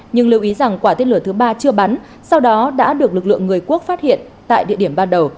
nhưng lưu ý rằng quả tên lửa thứ ba chưa bắn sau đó đã được lực lượng người quốc phát hiện tại địa điểm ban đầu